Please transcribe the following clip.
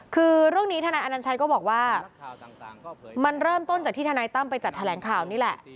คือเรื่องนี้ทนายอนัญชัยก็บอกว่ามันเริ่มต้นจากที่ทนายตั้มไปจัดแถลงข่าวนี่แหละ